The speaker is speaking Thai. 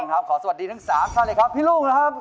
ครับขอสวัสดีทั้ง๓ช่านเลยพี่ลุงแล้วครับ